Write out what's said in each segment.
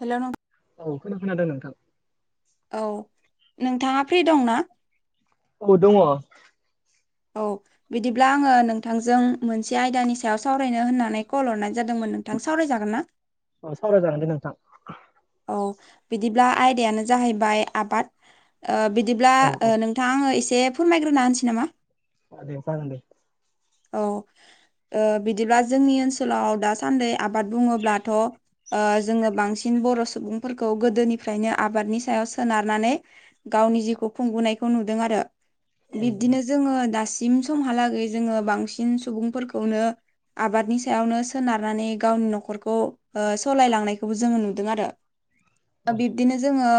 Hello नोंथां औ खोननो खोनादों नोंथां औ नोंथाङा फ्रि दं ना औ दङ औ बिदिब्ला आङो नोंथांजों मोनसे आयदानि सायाव सावरायनो होननानै कल हरनाय जादोंमोन नोंथां सावरायजागोन ना औ सावराय जागोन दे नोंथां औ बिदिब्ला आयदायानो जाहैबाय आबाद ओ बिदिब्ला औ औ नों नोंथां आङो एसे फोरमायग्रोनो होनोसै नामा [unintelligible] औ बिदिब्ला जोंनि ओनसोलाव दासान्दि आबाद बुङोब्लाथ' जोङो बांसिन बर' सुबुंफोरखौ गोदोनिफ्रायनो आबादनि सायाव सोनारनानै गावनि जिउखौ खुंबोनायखौ नुदों आरो औ बिब्दिनो जोङो दासिम समहालागै जोङो बांसिन सुबुंफोरखौनो आबादनि सायावनो सोनारनानै गावनि न'खरखौ सालायलांनायखौबो जोङो नुदों आरो औ बिब्दिनो जोङो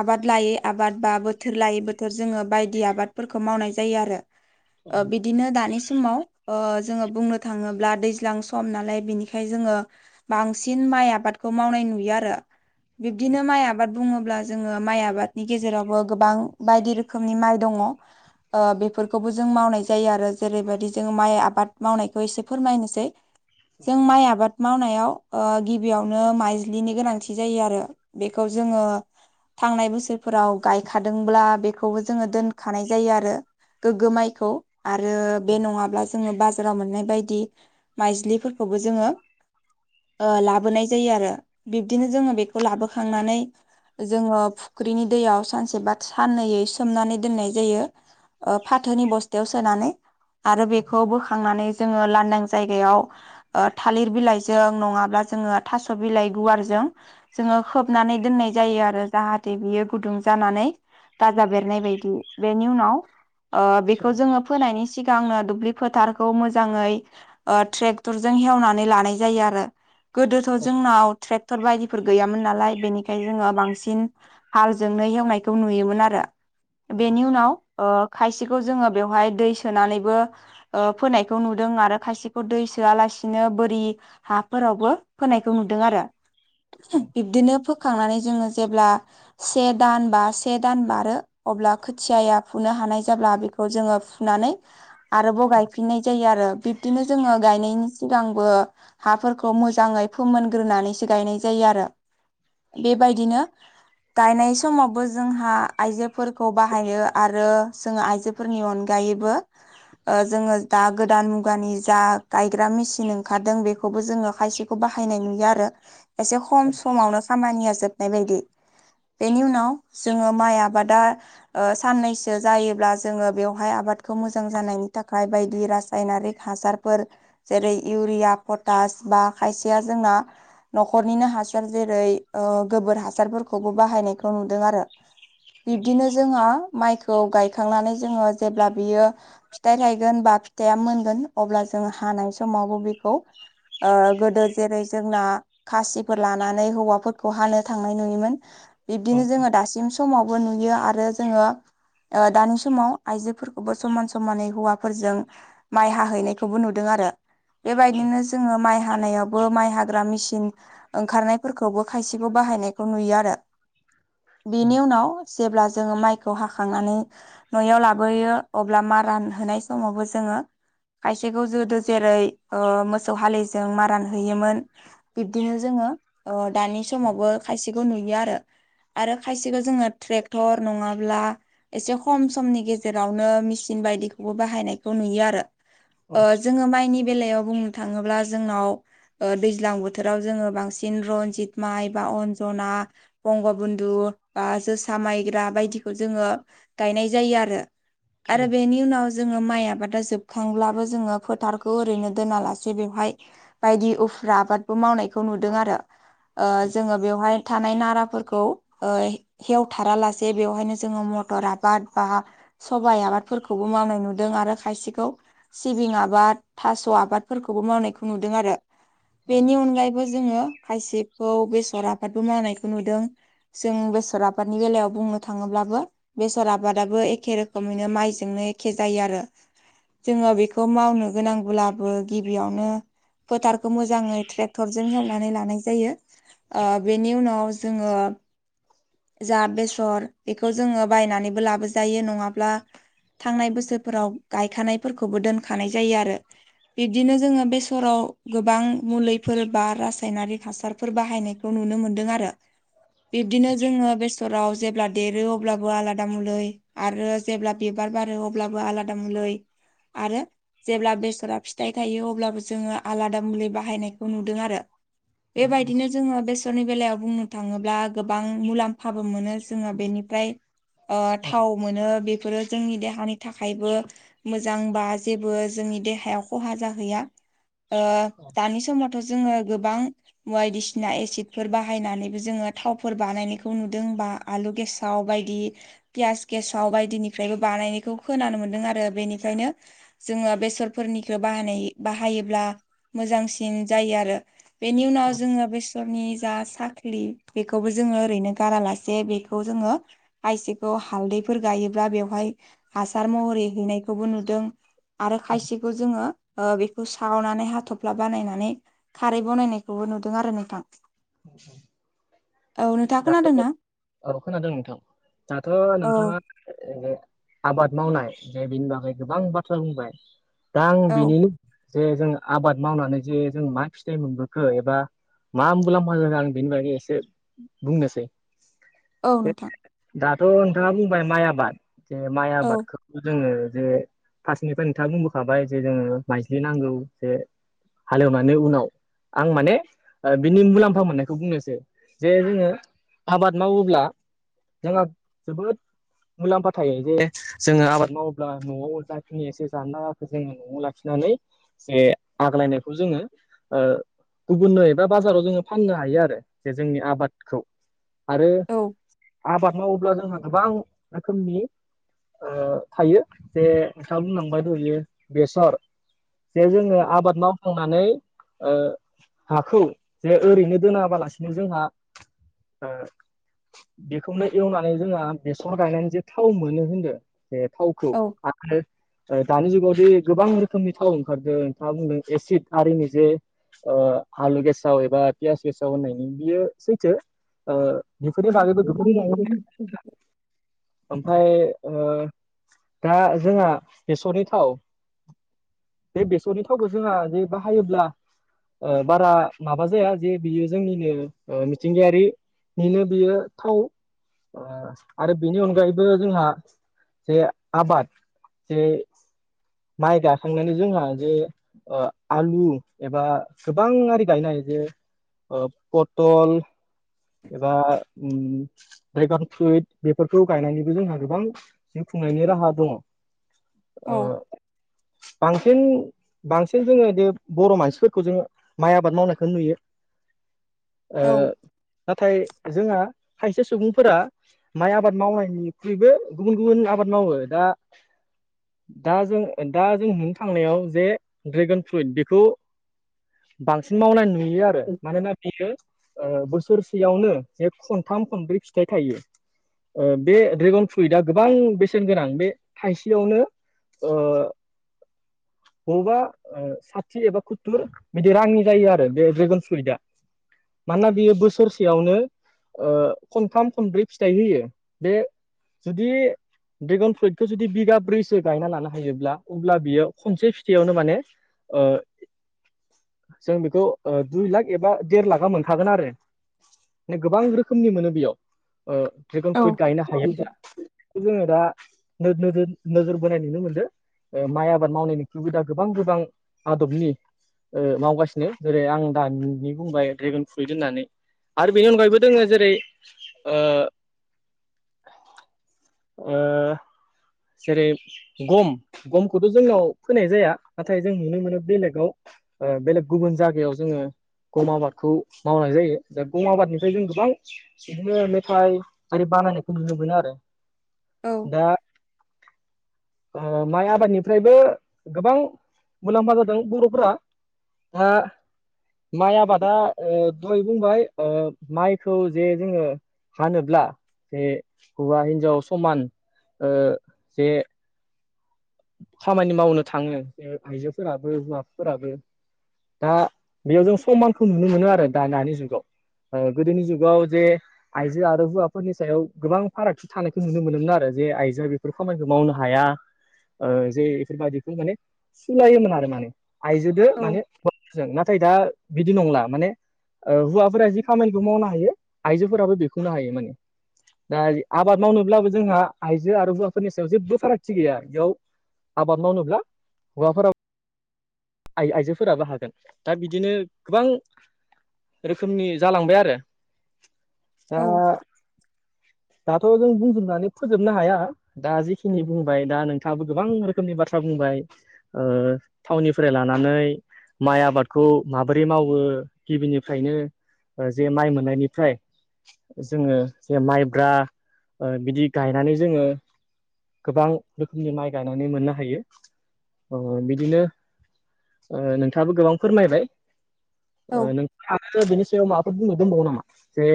आबाद लायै आबाद बा बोथोर लायै बोथोर जोङो बायदि आबादफोरखौ मावनाय जायो आरो बिदिनो दानि समाव जोङो बुंनो थाङोब्ला दैज्लां सम नालाय बिनिखायनो जोङो बांसिन माइ आबादखौ मावनाय नुयो आरो बिब्दिनो माइ आबाद बुङोब्ला जोङो माइ आबादनि गेजेरावबो गोबां बायदि रोखोमनि माइ दङ बेफोरखौबो जों मावनाय जायो आरो जेरैबायदि जों माइ आबाद मावनायखौ एसे फोरमायनोसै जों माइ आबाद मावनायाव गिबियावनो माइज्लिनि गोनांथि थि जायो आरो बेखौ जोङो थांनाय बोसोरफोराव गायखादोंब्ला बेखौबो जोङो दोनखानाय जायो आरो गोग्गो माइखौ आरो बे नङाब्ला जोङो बाजार बोेराव मोननाय बायदि माइज्लिफोरखौबो जोङो लाबोनाय जायो आरो बिदिनो जोङो बेखौ लाबोखांनानै जोङो फुख्रिनि दैयाव सानसे बा साननैयै सोमनानै दोननाय जायो फाथोनि बस्थायाव सोनानै आरो बेखौ बोखांनानै जोङो लांदां जायगायाव थालिर बिलाइजों नङाब्ला जोङो थास' बिलाइ गुवार जों जोङो खोबनानै दोननाय जायो आरो जाहाथे बियो गुदुं जानानै गाजा बेरनाय बायदि बेनि उनाव बेखौ जोङो फोनायनि सिगांनो दुब्लि फोथारखौ मोजाङै ट्रेक्टरजों हेवनानै लानाय जायो आरो गोदोथ' जोंनाव ट्रे क्टर बायदिफोर गैयामोन नालाय बेनिखायनो जोङो बांसिन हालजोंनो हेवनायखौ नुयोमोन आरो बेनि उनाव खायसेखौ जोङो बेवहाय दै सोनानैबो फोनायखौ नुदों आरो खायसेखौ दै सोआलासिनो बोरि हाफोरावबो फोनायखौ नुदों आरो बिब्दिनो फोखांनानै जोङो जेब्ला से दान बा से दान बारो अब्ला खोथियाया फुनो हानाय जाब्ला बेखौ जोङो फुनानै आरोबाव गायफिननाय जायो आरो बे बिदिनो जोङो गायनायनि सिगांबो हाफोरखौ मोजाङै फोमोनग्रोनानैसो गायनाय जायो आरो बेबायदिनो गायनाय समावबो जोंहा आयजोफोरखौ बाहायो आरो जोङो आइजो फोरनि अनगायैबो जोङो दा गोदान मुगानि जा गायग्रा मेसिन ओंखारदों बेखौबो जोङो खायसे खौ बाहायनाय नुयो आरो एसे खम समावनो खामानिया जोबनाय बायदि बेनि उनाव जोङो माइ आबादा ओ साननैसो जायोब्ला जोङो बेवहाय आबादखौ मोजां जानायनि थाखाय बायदि रा सानारिक हासारफोर जेरै इउरिया पटास बा खायसेया जोंना न'खरनिनो हासार जेरै ओ गोबोर हासारफोरखौबो बाहायनायखौ नुदों आरो बिब्दिनो जोंहा माइखौ गायखांनानै जोङो जेब्ला बियो फिथाइ थायगोन बा फिथाइआ मोनगोन अब्ला जों हानाय समावबो बेखौ ओ गोदो जेरै जोंना खासिफोर लानानै हौवाफोरखौ हानो थांनाय नुयोमोन औ बिबदिनो जोङो दासिम समावबो नुयो आरो जोङो ओ दानि समाव आइजोफोरखौबो समान समानै हौवाफोरजों माइ हाहैनायखौबो नुदों आरो औ बेबायदिनो जोङो माइ हानायावबो माइ हाग्रा मेसिन ओंखारनायफोरखौबो खायसेखौ बाहायनायखौ नुयो आरो बेनि उनाव जेब्ला जोङो माइखौ हाखांनानै न'आव लाबोयो अब्ला मा रानहोनाय समावबो जोङो खायसेखौ जोदो जेरै ओ मोसौ हाललिजों मारान हैयोमोन। बिब्दिनो जोङो ओ दानि समावबो खायसेखौ नुयो आरो आरो खायसेखौ जोंङो ट्रेक्टर नंङाब्ला एसे खम समनि गेजेरावनो मेचिन बायदिखौबो बाहायनायखौ नुयो आरो ओ जोंङो माइनि बेलायाव बुंनो थांङोब्ला जोंनाव ओ दैज्लां बो थोराव जोंङो बांसिन रनजित माइ बा अनजना बंग बन्धु बा जोसा मायग्रा बायदिखौ जोंङो गायनाय जायो आरो आरो बेनि उनाव जोंङो माइ आबादा जोबखांब्लाबो जोंङो फोथारखौ ओरैनो दोनालासे बेवहाय बायदि उफ्रा आबादबो मावनायखौ नुदों आरो ओ जोंङो बेवहाय थानाय नाराफोरखौ ओ हेवथारालासे बेवहायनो जोंङो मटर आबाद बा सबाइ आबादफोरखौबो मावनाय नुदों आरो खायसेखौ सिबिं आबाद थास' आबादफोरखौबो मावनायखौ नुदों आरो बेनि अनगायैबो जोंङो खायसेखौ बेसर आफबादबो मावनायखौ नुदों। जों बेसर आबादनि बेलायाव बुंनो थांङोब्लाबो बेसर आबादाबो एखे रोखोमैनो माइजोंनो एखे जायो आरो जोंङो बेखौ मावनो गोनांब्लाबो गिबियावनो फोथारखौ मोजांङै ट्रेक्टरजों एवनानै लानाय जायो ओ बेनि उनाव जोंङो जा बेसर बेखौ जोंङो बायनानैबो लाबोजायो नंङाब्ला थांनाय बोसोरफोराव गायखानायफोरखौबो दोनखानाय जायो आरो बिबदिनो जोंङो बेसराव गोबां मुलि फोर बा रासायनारि हासारफोर बाहायनायखौ नुनो मोनदों आरो बिब्दिनो जोंङो बे सराव जेब्ला देरो अब्लाबो आलादा मुलै आरो जेब्ला बिबार बारो अब्लाबो आलादा मलै आरो जेब्ला बेसरा फिथाइ थायो अब्लाबो जोंङो आलादा मुलै बाहायनाय खौ नुदों आरो बेबायदिनो जोंङो बेसरनि बेलायाव बुंनो थांङोब्ला गोबां मुलाम्फाबो मोनो जोंङो बेनिफ्राय ओ थाव मोनो बेफोरो जोंनि देहानि थाखायबो मोजांबा जेबो जोंनि देहायाव खहा जाहैया ओ दानि समाव जोंङो गोबां बायदिसिना एसिडफोर बाहायनानैबो जोंङो थावफोर बानायनायखौ नुदों बा आलु गेसाव बायदि फियास गेसाव बायदिनिफ्रायबो बानायनायखौ खोनानो मोन्दों आरो बेनिखायनो जोंङो बेसरफोरनिखौ बाहानाय बाहायोब्ला मोजांसिन जायो आरो बेनि उनाव जोङो बेस सरनि जा साख्लि बेखौबो जोङो ओरैनो गारालासे बेखौ जोङो खायसेखौ हालदैफोर गायोब्ला बेवहाय हासार महरै हैनायखौबो नुदों आरो खायसेखौ जोङो ओ बेखौ सावनानै हाथ'फ्ला बानायनानै खारै बनायनायखौबो नुदों आरो नोंथां औ नोंथाङा दाथ' खोनादोंना औ खोनादों नोंथां दाथ' औ नोंथाङा ओ आबाद मावनाय जे बेनि बागै गोबां बाथ्रा बुंबाय दा आं औ बेनि जे जों आबाद मावनानै जे जों मा फिथाइ मोनबोखो एबा मा मुलाम्फा जाखो आं बेनि बागै एसे बुंनोसै। औ जे नोंथां। दाथ' नोंथांङा बुंबाय माइ आबाद जे माइ औ आबादखौ जोङो जे फार्स्टनिफ्राय नोंथांङा बुंबोखाबाय जे जोङो माइज्लि नांगौ जे हालेवनानै उनाव आं माने ओ बिनि मुलाम्फा मोननायखौ बुंनोसै जे जोङो आबाद मावोब्ला जोंहा जोबोद मुलाम्फा थायो जे जोङो आबाद मावोब्ला न'आव जाखिनि एसे जानो लागाखौ जोङो न'आव लाखिनानै जे आग्लायनायखौ जोङो ओ गुबुननो एबा बाजाराव जोङो फाननो हायो आरो जे जोंनि आबाद खौ आरो औ आबाद मावोब्ला जोंहा गोबां रोखोमनि ओ थायो जे नोंथाङा बुंलांबाय दहायो बेसर जे जोङो आबाद मावखांनानै ओ हाखौ जे ओरैनो दोनाबालासिनो जोंहा ओ बेखौनो एवनानै जोंहा बेसर गायनानै जे थाव मोनो होनदो बे थावखौ औ आरो दानि जुगावदि गोबां रोखोमनि थाव ओंखारदों नोंथाङा बुंदों एसिड आरिनि जे ओ आलु गेसाव एबा पियास गेसाव होननायनि बियो सैथो ओ औ बेफोरनि बागैबो गोबां [inaudible] ओमफ्राय ओ दा जोंहा बेसरनि थाव बे बेसरनि थावखौ जोंहा जे बाहायोब्ला ओ बारा माबा जाया जे बियो जोंनिनो मिथिंगायारि बेनो बियो थाव ओ आरो बेनि अनगायैबो जोंहा जे आबाद जे माइ गायखांनानै जोंहा जे ओ आलु एबा गोबां आरि गायनो हायो जे ओ पटल एबा ओम ड्रेगन फ्रुइट बेफोरखौ गायनानैबो जोंहा गोबां जिउ खुंनायनि राहा दङ औ ओ बांसिन बांसिन जोङो बे बर' मानसिफोरखौ जोङो माइ आबाद मावनायखौ नुयो ओ औ नाथाय जोंहा खायसे सुबुंफोरा माइ आबाद मावनायनिख्रुइबो गुबुन गुबुन आबाद मावो दा दा जों दा जों नुनो थांनायाव जे ड्रेगन फ्रुइट बेखौ बांसिन मावनाय नुयो आरो मानोना बियो ओ बोस सोरसेयावनो बे खनथाम खनब्रै फिथाइ थायो ओ बे ड्रेगन फ्रुइटआ गोबां बेसेन गोनां बे थाइसेयावनो ओ बबा ओ साथि एबा सत्तुर बिदि रांनि जायो आरो बे ड्रेगन फ्रुइटआ। मानोना बियो बोस सोर सेयावनो ओ खनथाम खनब्रै फिथाइ होयो बे जुदि ड्रेगन फ्रुइटखौ जुदि बिगा ब्रैसो गायना लानो हायोब्ला अब्ला बियो खनसे फिथाइयावनो माने ओ जों बेखौ ओ दुइ लाख एबा देर लाखा मोनखागोन आरो। माने गोबां रोखोमनि मोनो बेयाव ओ ड्रेगन फ्रुइट गायनो हायोब्ला। बेखौ जोङो दा नोर नोजोर बोनाय नुनो मोनदो माइ आबाद मावनायनिख्रुयबो दा गोबां गोबां आदबनि ओ मावगासिनो जेरै आं दानिनि बुंबाय ड्रेगन फ्रुइट होननानै। आरो बेनि अनगायैबो दोङो जेरै ओ ओ जेरै गम गमखौथ' जोंनाव फोनाय जाया नाथाय जों नुनो मोनो बेलेगाव ओ बेलेग गुबुन जायगायाव जोङो गम आबादखौ मावनाय जायो दा गम आबादनिफ्राय जों गोबां बिदिनो मेथाइ आरि बानायनायखौ नुनो मोनो आरो। दा माइ आबादनिफ्रायबो गोबां मुलाम्फा जादों बर'फोरा ना माइ आबादा ओ दहाय बुंबाय ओ माइखौ जे जोङो फानोब्ला जे हौवा हिन्जाव समान ओ जे खामानि मावनो थाङो आइजोफोराबो हौवा फोराबो। दा बेयाव जों समानखौ नुनो मोनो आरो दा दानि जुगाव ओ गुदनि जुगाव जे आइजो आरो हौवाफोरनि सायाव गोबां फारागथि थानायखौ नुनो मोनोमोन आरो जे आइजोआ बेफोर खामानिखौ मावनो हाया ओ जे बेफोरबायाददिखौ माने सुलायोमोन आरो माने। आइजोदो औ मानेजों [inaudible] नाथाय दा बिदि नंला माने ओ हौवाफोरा जि खामानिखौ मावनो हायो आइजोफोराबो बेखौनो हायो माने दा आबाद मावनोब्लाबो जोंहा आइजो आरो हौवाफोरनि सायाव जेबो फारागथि गैया। बेयाव आबाद मावनोब्ला हौवाफोर आ आइजोफोराबो हागोन दा बिदिनो गोबां रोखोमनि जालांबाय आरो दा औ [inaudible] दाथ' जों बुंजोबनानै फोजोबनो हाया दा जिखिनि बुंबाय दा नोंथाङाबो गोबां रोखोमनि बाथ्रा बुंबाय ओ थावनि फ्राय लानानै माइ आबादखौ माबोरै मावो गिबिनिफ्रायनो ओ जे माइ मोननायनिफ्राय जोङो जे माइब्रा ओ बिदि गायनानै जोङो गोबां रोखोमनि माइ गायनानै मोननो हायो ओ बिदिनो नोंथाङाबो गोबां फोरमायबाय औ ओ नों आ बेनि सायाव माबाफोर बुंनोदोंबावो नामा? जे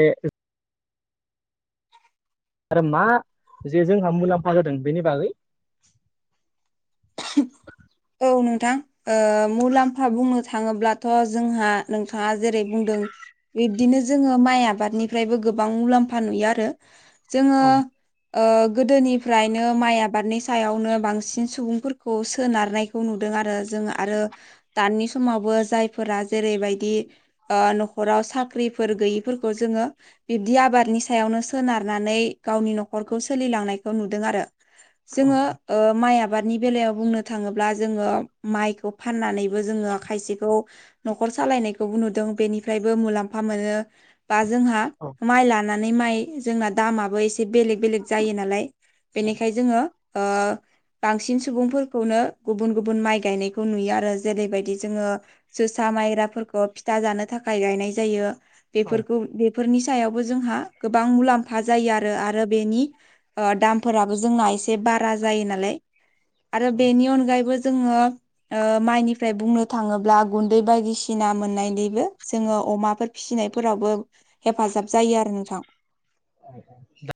आरो मा जे जोंहा मुलाम्फा जादों बेनि बागै औ नोंथां। ओ मुलाम्फा बुंनो थाङोब्लाथ' जोंहा नोंथाङा जेरै बुंदों बिब्दिनो जोङो माइ आबादनिफ्रायबो गोबां मुलाम्फा नुयो आरो। जोङो औ औ ओ गोदोनिफ्रायनो माइ आबादनि सायावनो बांसिन सुबुंफोर खौ सोनारनायखौ नुदों आरो जों आरो दानि समावबो जायफोरा जेरैबायदि ओ न'खराव साख्रिफोर गैयिफोरखौ जोङो बिब्दि आबादनि सायावनो सोनारनानै गावनि न'खरखौ सोलिलांनायखौ नुदों आरो। जोङो ओ माइ आबादनि बेलायाव बुंनो थाङोब्ला जोङो माइखौ फाननानै जोङो खायसेखौ न'र सालायनायखौबो नुदों बेनिफ्रायबो मुलाम्फा मोनो। बा जोंहा औ माइ लानानै माइ जोंना दामाबो एसे बेलेग बेलेग जायो नालाय औ बेनिखायनो जोङो ओ बांसिन सुबुंफोर खौनो गुबुन गुबुन माइ गायनायखौ नुयो आरो जेरैबायदि जोङो जोसा मायग्राफोरखौ फिथा जानो थाखाय गायनाय जायो औ बेफोरखौ बे बेफोरनि सायावबो जोंहा गोबां मुलाम्फा जायो आरो आरो बेनि ओ दामफोराबो जोंना एसे बारा जायो नालाय आरो बेनि अनगायैबो जोङो ओ माइनिफ्राय बुंनो थाङोब्ला गुन्दै बायदिसिना मोननायनायनिबो जोङो अमाफोर फिसिनायफोरावबो हेफाजाब जायो आरो नोंथां [inaudible]